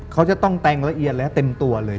เขาจะต้องแต่งละเอียดและเต็มตัวเลย